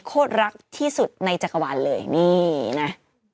โคตรรักที่สุดในจักรวาลเลยนี่นะ